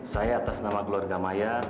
saya atas nama keluarga maya